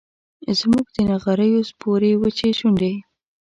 زموږ د نغریو سپورې وچې شونډي